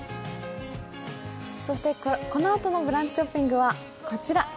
このあとの「ブランチショッピング」はこちら。